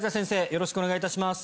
よろしくお願いします。